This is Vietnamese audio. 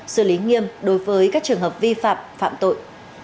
xử lý nghiêm đối với các trường hợp vi phạm phạm tội